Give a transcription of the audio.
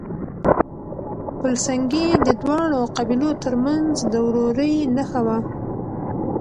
پل سنګي د دواړو قبيلو ترمنځ د ورورۍ نښه وه.